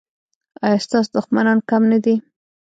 ایا ستاسو دښمنان کم نه دي؟